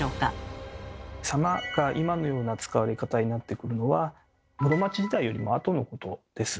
「様」が今のような使われ方になってくるのは室町時代よりもあとのことです。